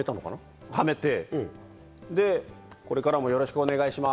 で、はめて、これからもよろしくお願いします。